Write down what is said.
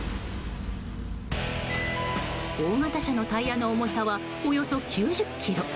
大型車のタイヤの重さはおよそ９０ｋｇ。